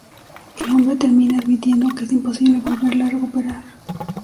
El hombre termina admitiendo que es imposible volverla a recuperar.